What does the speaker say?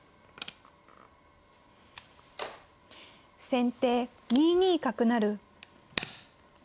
先手２二角成。